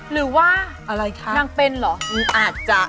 หรือว่านางเป็นเหรออาจจะ